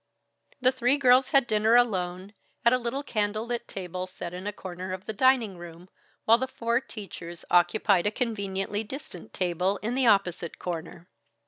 The three girls had dinner alone at a little candle lit table set in a corner of the dining room, while the four teachers occupied a conveniently distant table in the opposite corner.